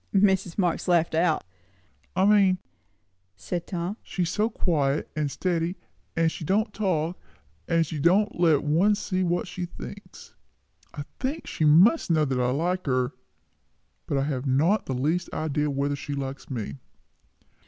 Mrs. Marx laughed out. "I mean," said Tom, "she is so quiet and steady, and she don't talk, and she don't let one see what she thinks. I think she must know I like her but I have not the least idea whether she likes me."